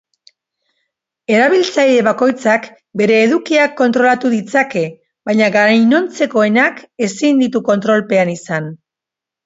Erabiltzaile bakoitzak bere edukiak kontrolatu ditzake, baina gainontzekoenak ezin ditu kontrolpean izan.